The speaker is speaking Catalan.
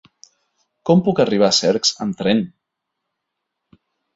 Com puc arribar a Cercs amb tren?